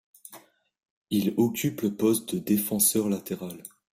Il occupe le poste de défenseur latéral.